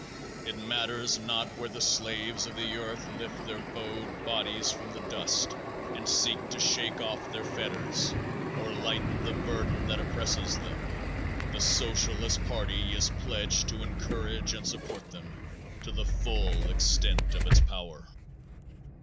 It matters not where the slaves of the earth lift their bowed bodies from the dust and seek to shake off their fetters, or lighten the burden that oppresses them, the Socialist party is pledged to encourage and support them to the full extent of its power.